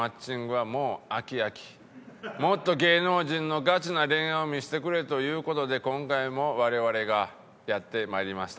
もっと芸能人のガチな恋愛を見せてくれという事で今回も我々がやってまいりました。